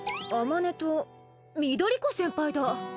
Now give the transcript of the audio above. あまねと翠子先輩だ。